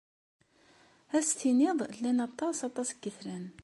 Ad as-tiniḍ llan aṭas aṭas n yetran.